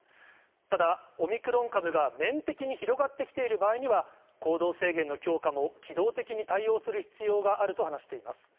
ただ、オミクロン株が面的に広がってきている場合には、行動制限の強化も機動的に対応する必要があると話しています。